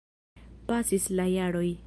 Pasis la jaroj.